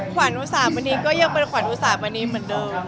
ความอุตส่าห์วันนี้ก็ยังเป็นความอุตส่าห์วันนี้เหมือนเดิม